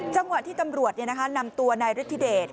จังหวะที่ตำรวจนำตัวนายฤทธิเดช